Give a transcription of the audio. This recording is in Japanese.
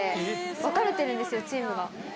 分かれてるんですよチームが。